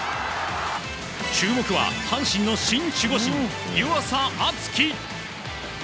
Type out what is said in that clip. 注目は阪神の新守護神湯浅京己。